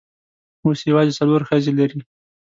اوس یوازې څلور ښځې لري.